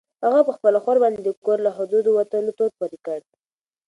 هغه په خپله خور باندې د کور له حدودو د وتلو تور پورې کړ.